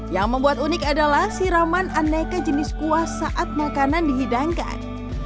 yang membuat unik adalah siraman aneka jenis kuah saat makanan dihidangkan